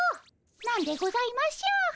何でございましょう？